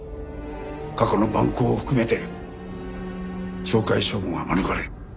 過去の蛮行を含めて懲戒処分は免れん。